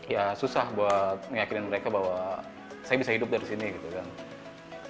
ya susah buat meyakin mereka bahwa saya bisa hidup dari sini gitu kan